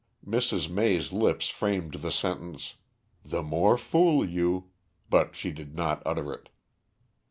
Mrs. May's lips framed the sentence, "The more fool you," but she did not utter it.